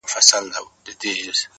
وي دردونه په سيــــنـــــوكـــــــــي؛